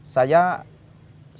saya sudah hampir